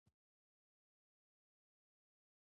شنې سترګې د سمبولیکه برخه ده چې د طبیعت سره تړاو لري.